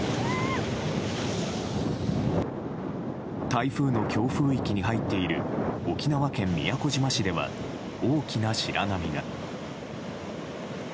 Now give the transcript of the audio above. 台風の強風域に入っている沖縄県宮古島市では大きな白波が。